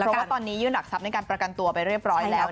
เพราะว่าตอนนี้ยื่นหลักทรัพย์ในการประกันตัวไปเรียบร้อยแล้ว